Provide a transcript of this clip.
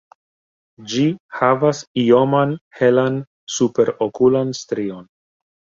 Ĝi havas ioman helan superokulan strion.